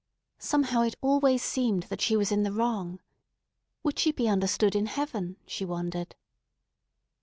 Somehow it always seemed that she was in the wrong. Would she be understood in heaven? she wondered.